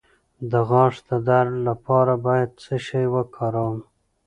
د غاښ د درد لپاره باید څه شی وکاروم؟